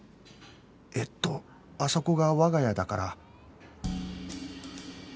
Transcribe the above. えっとあそこが我が家だから